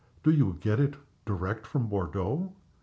"Do you get it direct from Bordeaux?"